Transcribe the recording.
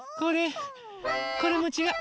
これもちがう。